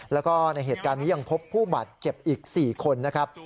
แล้วก็ในเหตุการณ์นี้ยังพบผู้บาดเจ็บอีก๔คนนะครับ